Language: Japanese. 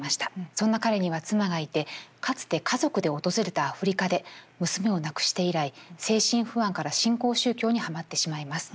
そんな彼には妻がいてかつて家族で訪れたアフリカで娘を亡くして以来精神不安から新興宗教にはまってしまいます。